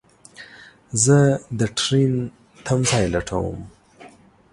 زه دټرين تم ځای لټوم